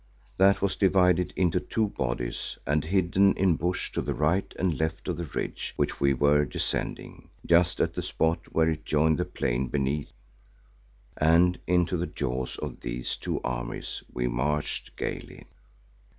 That was divided into two bodies and hidden in bush to the right and left of the ridge which we were descending just at the spot where it joined the plain beneath, and into the jaws of these two armies we marched gaily.